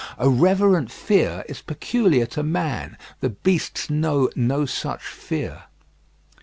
A reverent fear is peculiar to man; the beasts know no such fear.